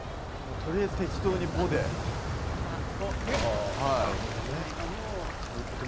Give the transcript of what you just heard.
とりあえず適当にぼ、でさぼる。